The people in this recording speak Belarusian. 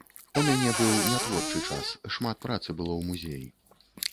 У мяне быў не творчы час, шмат працы было ў музеі.